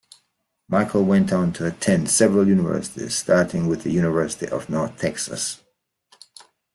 Michael went on to attend several universities starting with the University of North Texas.